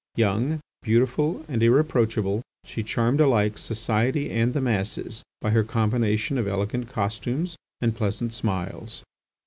Young, beautiful, and irreproachable, she charmed alike society and the masses by her combination of elegant costumes and pleasant smiles.